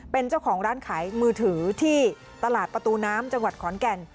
เป็นเจ้าของร้านขายมือถือที่ตลาดประตูน้ำจังหวัดขอนแก่น